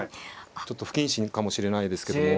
ちょっと不謹慎かもしれないですけども。